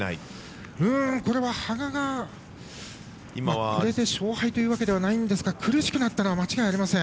これは羽賀がこれで勝敗というわけではないですが苦しくなったのは間違いありません。